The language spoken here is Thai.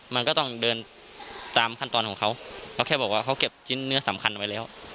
มันก็ต้องเดินตามขั้นตอนของเขาเขาแค่บอกว่าเขาเก็บชิ้นเนื้อสำคัญไว้แล้ว